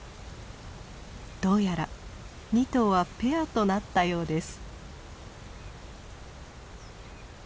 どうやら２頭はペアとなったようです。